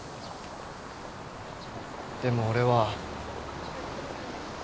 でも俺は。